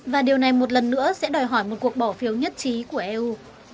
và điều này một lần nữa sẽ đòi hỏi một cuộc bỏ phiếu nhất trí của eu